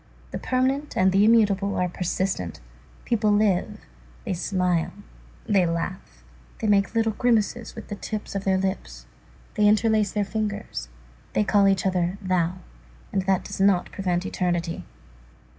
The permanent and the immutable are persistent. People live, they smile, they laugh, they make little grimaces with the tips of their lips, they interlace their fingers, they call each other thou, and that does not prevent eternity.